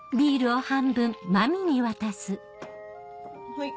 はい。